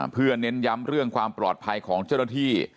เพื่อเน้นย้ำเรื่องความปลอดภัยของเจ้าหน้าที่